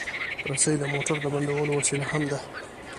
رسۍ د موټر د بندولو وسیله هم ده.